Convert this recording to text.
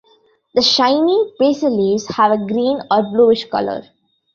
The shiny, basal leaves have a green or bluish color.